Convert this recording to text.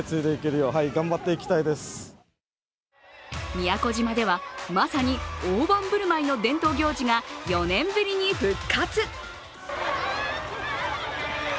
宮古島では、まさに大盤振る舞いの伝統行事が４年ぶりに復活。